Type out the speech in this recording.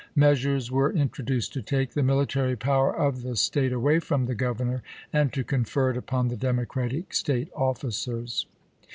Measures were introduced to take the military power of the State away from the Governor and to confer it upon the Democratic State officers.